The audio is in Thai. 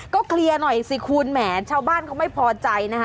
เคลียร์หน่อยสิคุณแหมชาวบ้านเขาไม่พอใจนะคะ